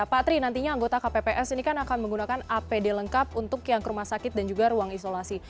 pak tri nantinya anggota kpps ini kan akan menggunakan apd lengkap untuk yang ke rumah sakit dan juga ruang isolasi